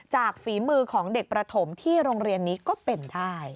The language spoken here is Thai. ฝีมือของเด็กประถมที่โรงเรียนนี้ก็เป็นได้